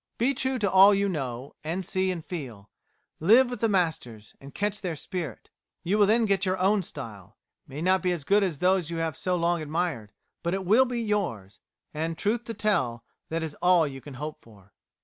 _ Be true to all you know, and see, and feel; live with the masters, and catch their spirit. You will then get your own style it may not be as good as those you have so long admired, but it will be yours; and, truth to tell, that is all you can hope for.